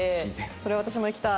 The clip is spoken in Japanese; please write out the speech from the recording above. それ私も行きたい。